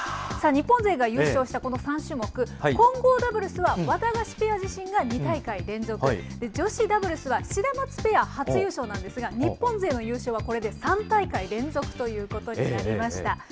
日本勢が優勝したこの３種目、混合ダブルスはワタガシペア自身が２大会連続、女子ダブルスはシダマツペア初優勝なんですが、日本勢の優勝はこれで３大会連続ということになりました。